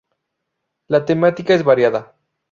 La temática es variada.